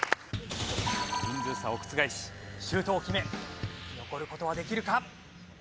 人数差を覆しシュートを決め残る事はできるか？